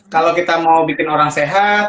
kalau kita mau bikin orang sehat